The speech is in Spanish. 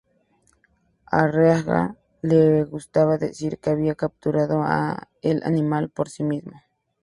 A Reagan le gustaba decir que había capturado el animal por sí mismo.